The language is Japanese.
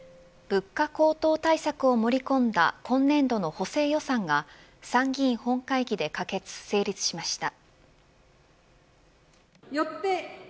物価高騰対策を盛り込んだ今年度の補正予算が参議院本会議で可決、成立しました。